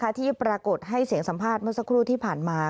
ที่ปรากฏให้เสียงสัมภาษณ์เมื่อสักครู่ที่ผ่านมา